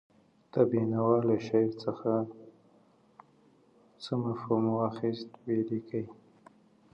د بېنوا له شعر څخه څه مفهوم واخیست ولیکئ.